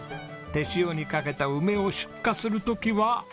手塩にかけた梅を出荷する時は。